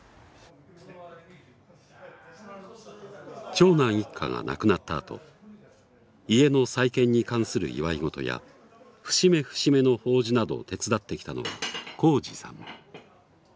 長男一家が亡くなったあと家の再建に関する祝い事や節目節目の法事などを手伝ってきたのは公二さん。